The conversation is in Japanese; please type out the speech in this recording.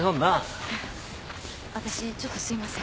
私ちょっとすいません。